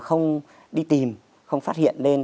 không đi tìm không phát hiện lên